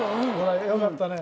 よかったね。